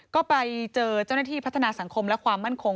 ก็ไปเจอเจ้าหน้าที่พัฒนาสังคมและความมั่นคง